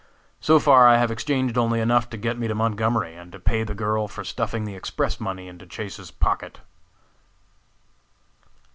So far I have exchanged only enough to get me to Montgomery, and to pay the girl for stuffing the Express money into Chase's pocket."